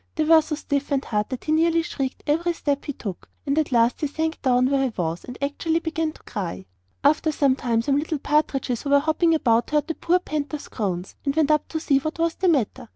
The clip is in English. They were so stiff and hard that he nearly shrieked every step he took, and at last he sank down where he was, and actually began to cry. After some time some little partridges who were hopping about heard the poor panther's groans, and went up to see what was the matter.